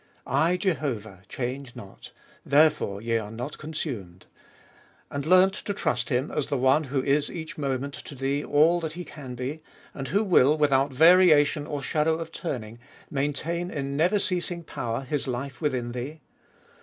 " I, Jehovah, change not ; therefore ye are not consumed," and learnt to trust Him as the One who is each moment to thee all that He can be, and who will, without variation or shadow of turning, maintain in never ceasing power His life within thee